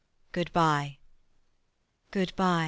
"Good by." "Good by."